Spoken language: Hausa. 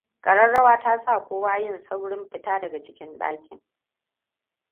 Kararrawa ta sa kowa yin sauri fita daga cikin ɗakin.